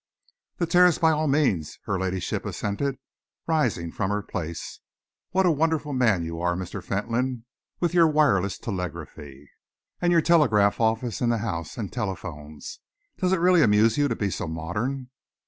"The terrace, by all means," her ladyship assented, rising from her place. "What a wonderful man you are, Mr. Fentolin, with your wireless telegraphy, and your telegraph office in the house, and telephones. Does it really amuse you to be so modern?"